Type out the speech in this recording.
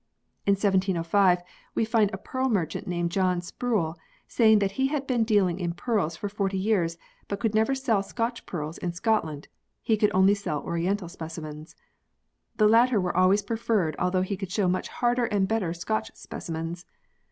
In 1705, we find a pearl merchant named John Spruel saying that he had been dealing in pearls for forty years but could never sell Scotch pearls in Scotland, he could only sell oriental specimens. The latter were always preferred although he could show much harder and better Scotch specimens.